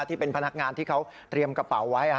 ที่เป็นพนักงานที่เขาเตรียมกระเป๋าไว้